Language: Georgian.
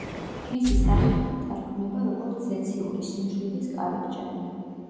მისი სახელი ითარგმნება როგორც „ზეციური სიმშვიდის კარიბჭე“.